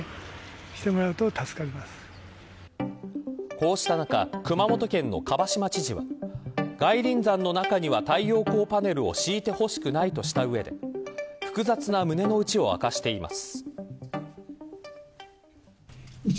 こうした中、熊本県の蒲島知事は外輪山の中には太陽光パネルを敷いてほしくないとした上で複雑な胸の内を明かしています。